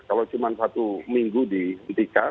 kalau cuma satu minggu dihentikan